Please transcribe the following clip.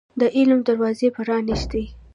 د علم دروازي پرانيزۍ